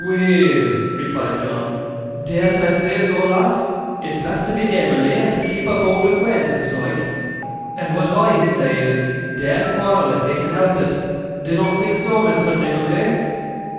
'Weel,' replied John, 'dean't I say so, lass? It's best to be neighbourly, and keep up old acquaintance loike; and what I say is, dean't quarrel if 'ee can help it. Dinnot think so, Mr. Nickleby?